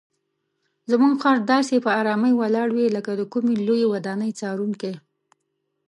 زموږ خر داسې په آرامۍ ولاړ وي لکه د کومې لویې ودانۍ څارونکی.